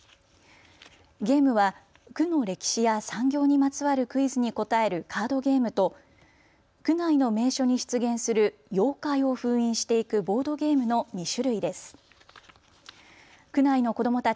ゲームは区の歴史や産業にまつわるクイズに答えるカードゲームと区内の名所に出現する妖怪を封印していくボードゲームの２種類です。